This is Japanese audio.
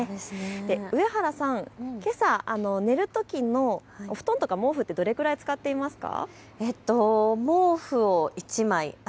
上原さん、寝るときのお布団とか毛布ってどれくらい使ってますか。